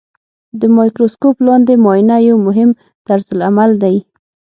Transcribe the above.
د مایکروسکوپ لاندې معاینه یو مهم طرزالعمل دی.